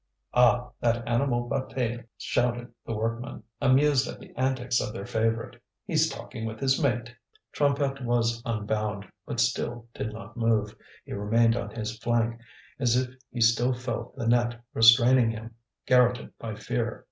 "Ah! that animal Bataille!" shouted the workmen, amused at the antics of their favourite, "he's talking with his mate." Trompette was unbound, but still did not move. He remained on his flank, as if he still felt the net restraining him, garrotted by fear.